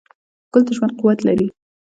ګل د ژوند قوت لري.